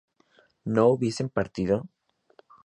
¿no hubiesen partido?